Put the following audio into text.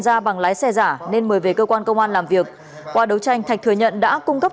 ra bằng lái xe giả nên mời về cơ quan công an làm việc qua đấu tranh thạch thừa nhận đã cung cấp